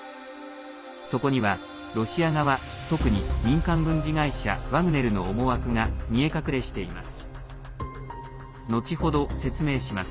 そこにはロシア側、特に民間軍事会社ワグネルの思惑が見え隠れしています。